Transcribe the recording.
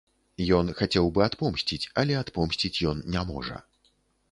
Ён хацеў бы адпомсціць, але адпомсціць ён не можа.